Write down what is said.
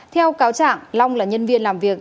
theo cáo trạng long là nhân viên làm việc